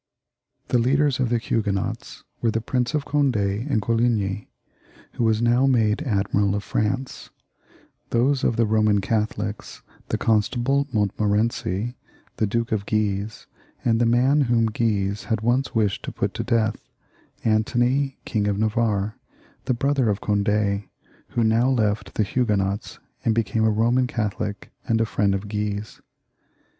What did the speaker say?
The leaders of the Huguenots were the Prince of Cond4 and Coligny, who was now made Admiral of France ; those of the Eoman Catholics, the Constable Montmorency, the Duke of Guise, and the man whom Guise had once wished to put to death, Antony, King of Navarre, the brother of Cond^, who had now left the Huguenots, and become a Eomaii Catholic and a friend of Guise.